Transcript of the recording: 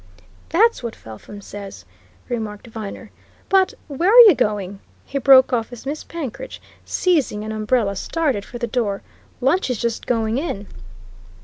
"That's what Felpham says," remarked Viner. "But where are you going?" he broke off as Miss Penkridge, seizing an umbrella, started for the door. "Lunch is just going in."